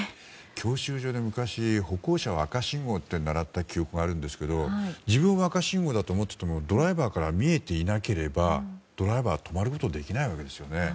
教習所で昔歩行者は赤信号だと習った記憶があるんですが自分が赤信号だと思っていてもドライバーから見えていなければ止まることはできないんですよね。